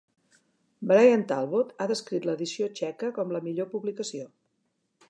Bryan Talbot ha descrit l'edició txeca com "la millor publicació".